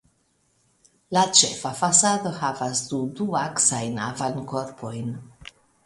La ĉefa fasado havas du duaksajn avankorpojn.